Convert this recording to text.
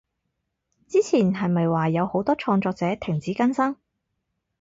之前係咪話有好多創作者停止更新？